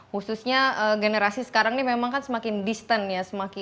khususnya generasi sekarang ini memang kan semakin distant ya